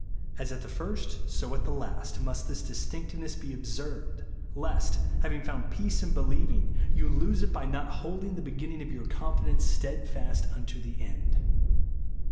As at the first, so to the last, must this viistinctiveness be observed, lest, having found peace in believing, you lose it by not JESUS ONLY. 185 holding the beginning of your confidence stedfast unto the end.